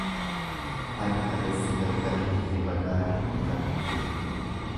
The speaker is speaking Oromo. Ani kaleessa galgala hirriba gaarii hin rafin bule.